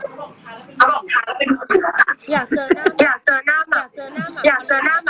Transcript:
อยากเจอหน้าหมัก